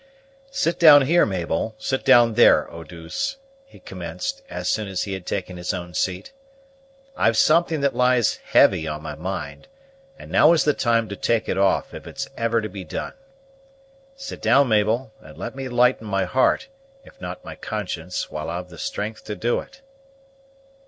"Sit down here Mabel; sit down there, Eau douce," he commenced, as soon as he had taken his own seat. "I've something that lies heavy on my mind, and now is the time to take it off, if it's ever to be done. Sit down, Mabel, and let me lighten my heart, if not my conscience, while I've the strength to do it."